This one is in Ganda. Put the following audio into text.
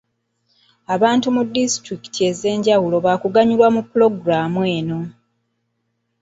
Abantu mu disitulikiti ez'enjawulo baakuganyulwa mu pulogulaamu eno.